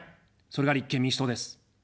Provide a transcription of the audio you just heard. それが立憲民主党です。